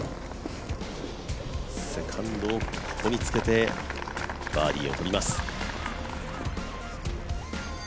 セカンドをここにつけてバーディーを取ります。